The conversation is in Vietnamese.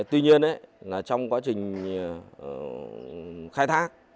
tuy nhiên trong quá trình khai thác